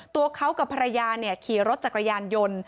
ตัวเขากับภรรยาขี่รถจักรยานยนต์